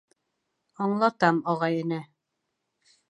— Аңлатам, ағай-эне.